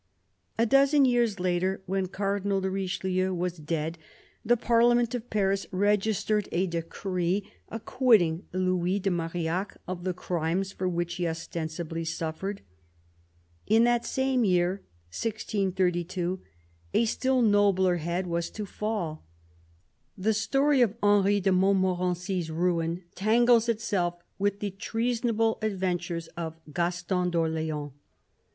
A dozen years later, when Cardinal de Richelieu was dead, the Parliament of Paris registered a decree acquitting Louis de Marillac of the crimes for which he ostensibly suffered. In that same year 1632 a still nobler head was to fall. The story of Henry de Montmorency's ruin tangles itself with the treasonable adventures of Gaston d'Orleans.